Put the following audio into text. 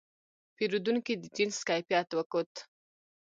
پیرودونکی د جنس کیفیت وکت.